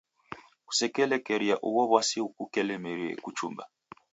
Kusekelekeria ugho w'asi ghukulemerie kuchumba.